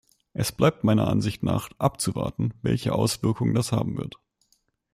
Es bleibt meiner Ansicht nach abzuwarten, welche Auswirkungen das haben wird.